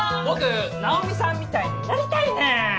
僕直美さんみたいになりたいねん